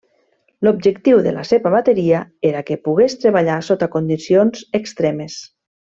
L'objectiu de la seva bateria era que pogués treballar sota condicions extremes.